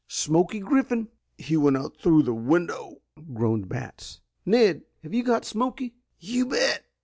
"Smoky Griffin." "He went out through the window," groaned Batts. "Ned, have you got Smoky?" "You bet."